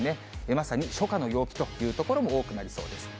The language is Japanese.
まさに初夏の陽気という所も多くなりそうです。